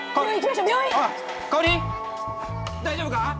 大丈夫か？